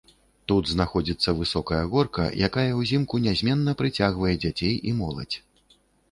Тут знаходзіцца высокая горка, якая ўзімку нязменна прыцягвае дзяцей і моладзь.